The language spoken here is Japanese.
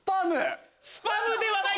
スパムではない！